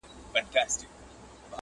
د هر چا په لاس کي خپله عریضه وه؛